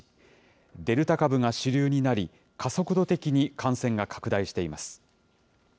デルタ株が主流になり、加速度的に感染が拡大しています。